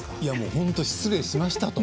本当に失礼しましたと。